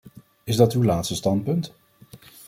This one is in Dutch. Is dat uw laatste standpunt?